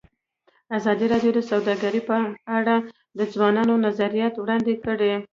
ازادي راډیو د سوداګري په اړه د ځوانانو نظریات وړاندې کړي.